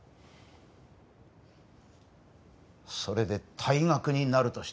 それで退学になるとしても？